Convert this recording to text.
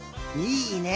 いいね！